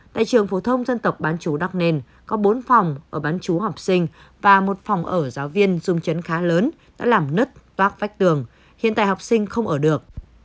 tại trường phổ thông dân tộc bán chú đắc nền có bốn phòng ở bán chú học sinh và một phòng ở giáo viên dùng chấn khá lớn đã làm nứt vác vách tường hiện tại học sinh không ở được